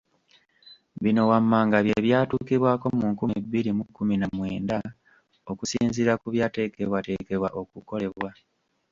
Bino wammanga bye byatuukibwako mu nkumi bbiri mu kkumi na mwenda okusinziira ku byateekebwateekebwa okukolebwa.